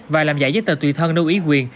và làm giải giấy tờ tùy thân lưu ý quyền